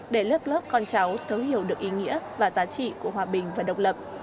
để lớp lớp con cháu thấu hiểu được ý nghĩa và giá trị của hòa bình và độc lập